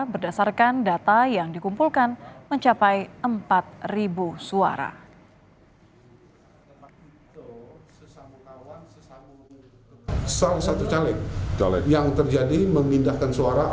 berdasarkan data yang dikumpulkan mencapai empat suara